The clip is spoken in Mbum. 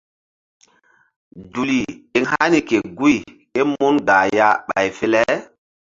Duli eŋ hani ke guy ké mun gah ya ɓay fe le.